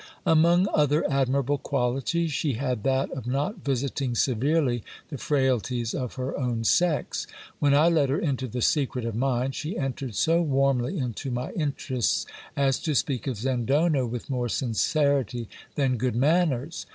Among other admirable qualities, she had that of not visiting severely the frailties of her own sex. When I let her into the secret of mine, she entered so warmly into my interests, as to speak of Zendono with more sincerity than good manners.